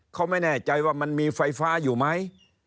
เขาไม่แน่ใจว่ามันมีไฟฟ้าอยู่ไหม